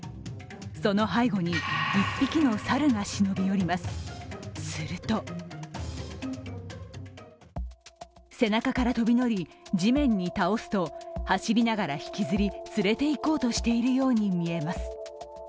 その背後に１匹の猿が忍び寄りますすると背中から飛び乗り、地面に倒すと走りながら引きずり、連れて行こうとしているように見えます。